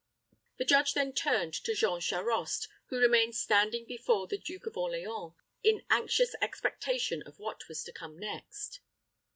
The judge then turned to Jean Charost, who remained standing before the Duke of Orleans, in anxious expectation of what was to come next.